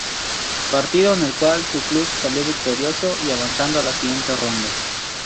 Partido en el cual su club salió victorioso y avanzando a la siguiente ronda.